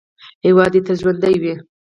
هیواد دې تل ژوندی وي.